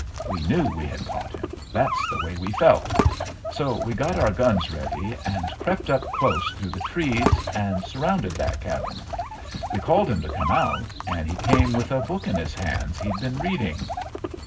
We knew we had caught him that's the way we felt. So we got our guns ready, and crept up close through the trees, and surrounded that cabin. We called him to come out, and he came with a book in his hands he'd been reading.